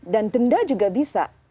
dan denda juga bisa